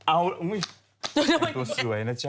โอ้ยดูสวยนะจ๊ะ